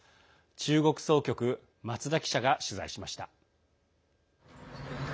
中国総局、松田記者が取材しました。